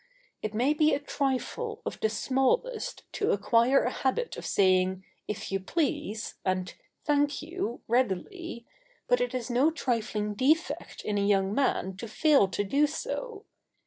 It may be a trifle of the smallest to acquire a habit of saying "if you please" and "thank you" readily, but it is no trifling defect in a young man to fail to do so.